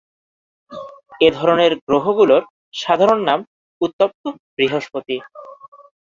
এ ধরনের গ্রহগুলোর সাধারণ নাম উত্তপ্ত বৃহস্পতি।